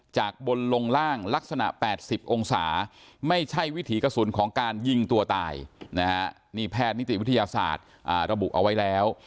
จากบนลงล่างลักษณะ๘๐องศาไม่ใช่วิถีกระสุนของการยิงตัวตายนะฮะนี่แพทย์นิติวิทยาศาสตร์ระบุเอาไว้แล้ว